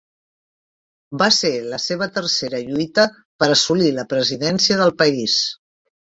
Va ser la seva tercera lluita per assolir la presidència del país.